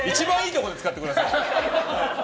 一番いいとこで使ってください。